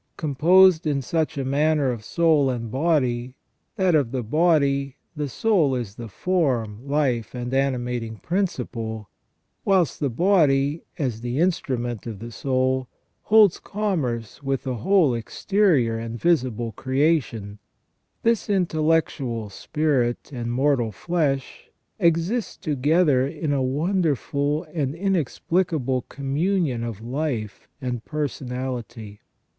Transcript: Composed in such a manner of soul and body, that of the body the soul is the form, life, and animating principle, whilst the body, as the instrument of the soul, holds commerce with the whole exterior and visible creation, this intellectual spirit and mortal flesh exist together in a wonderful and inexplicable communion of life and personality.